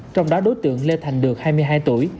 trong đó đối tượng lê thành được hai mươi hai tuổi